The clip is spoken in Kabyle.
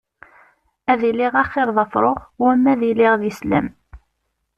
Ad iliɣ axiṛ d afṛux wama ad iliɣ d islem.